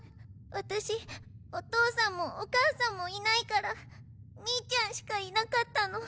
私お父さんもお母さんもいないからミーちゃんしかいなかったの。